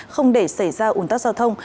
không để xảy ra ủn tắc giao thông